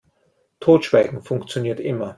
Totschweigen funktioniert immer.